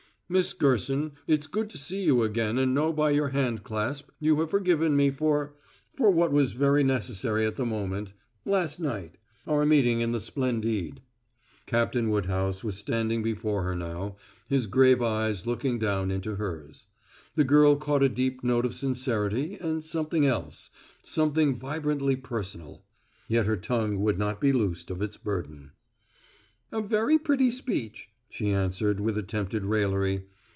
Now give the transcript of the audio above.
"Miss Gerson, it's good to see you again and know by your handclasp you have forgiven me for for what was very necessary at the moment last night our meeting in the Splendide." Captain Woodhouse was standing before her now, his grave eyes looking down into hers. The girl caught a deep note of sincerity and something else something vibrantly personal. Yet her tongue would not be loosed of its burden. "A very pretty speech," she answered, with attempted raillery.